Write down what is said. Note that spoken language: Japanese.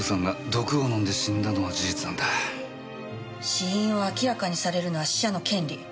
死因を明らかにされるのは死者の権利。